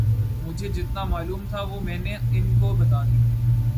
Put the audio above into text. مجھے جتنا معلوم تھا وہ میں نے ان کو بتا دیا